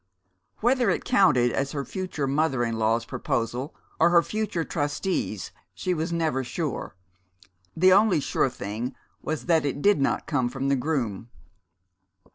(Whether it counted as her future mother in law's proposal, or her future trustee's, she was never sure. The only sure thing was that it did not come from the groom.)